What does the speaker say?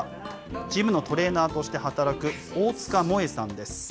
ジムのトレーナーとして働く大塚萌さんです。